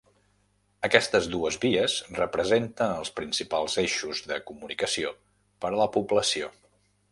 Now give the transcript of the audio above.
Aquestes dues vies representen els principals eixos de comunicació per a la població.